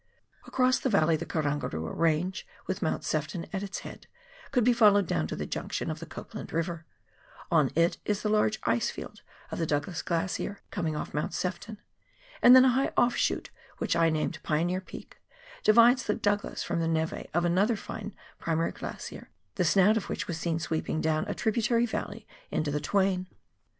Across the valley the Karangarua Range, with Mount Sefton at its head, could be followed down to the junc tion of the Copland Eiver ; on it is the large ice field of the Douglas Glacier, coming off Mount Sefton, and then a high offshoot, which I named Pioneer Peak, divides the Douglas from the neve of another fine primary glacier, the snout of which was seen sweeping down a tributary valley into the Twain.